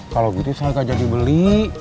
kalau gitu saya nggak jadi beli